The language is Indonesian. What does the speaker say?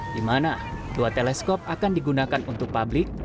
di mana dua teleskop akan digunakan untuk publik